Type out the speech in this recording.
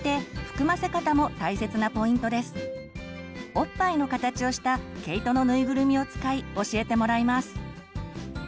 おっぱいの形をした毛糸の縫いぐるみを使い教えてもらいます。